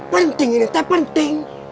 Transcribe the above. penting ini pak penting